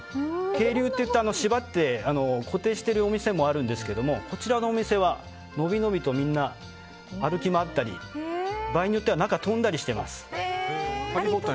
係留って言って縛って固定してるお店もあるんですがこちらのお店はのびのびと歩き回ったり、場合によっては中を飛んだりしています。